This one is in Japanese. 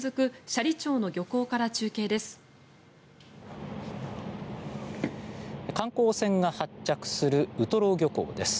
斜里町の漁港から中継です。